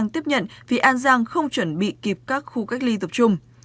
tiếp nhận vì an giang không chuẩn bị kịp các khu cách ly tập trung